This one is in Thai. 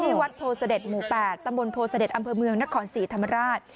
วัดโพเสด็จหมู่๘ตำบลโพเสด็จอำเภอเมืองนครศรีธรรมราช